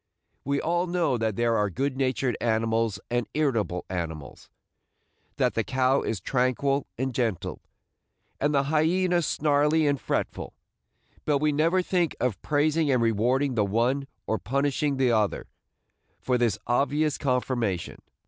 We all know that there are good natured animals and irritable animals, – that the cow is tranquil and gentle, and the hyena snarly and fretful; but we never think of praising and rewarding the one, or punishing the other, for this obvious conformation.